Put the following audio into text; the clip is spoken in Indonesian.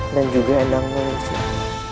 dan juga endang musuh